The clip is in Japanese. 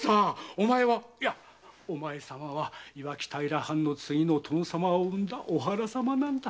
おまえはいやおまえ様は磐城平藩の次の殿様を産んだお腹様なんだ。